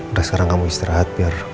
udah sekarang kamu istirahat biar